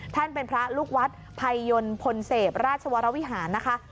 ท่านเป็นพระลูกวัดภัยยนต์พลเสพราชวรวิหารนะคะ